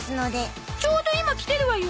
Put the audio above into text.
ちょうど今来てるわよ